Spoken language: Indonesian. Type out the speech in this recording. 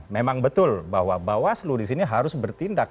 memang betul bahwa bawaslu disini harus bertindak